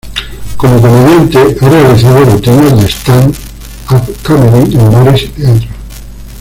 Como comediante, ha realizados rutinas de "stand up comedy" en bares y teatros.